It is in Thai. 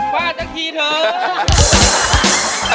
บ้าจังทีเถอะ